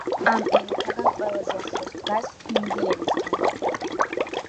ამ ენათაგან ყველაზე ახლოს დგას ჰინდი ენასთან.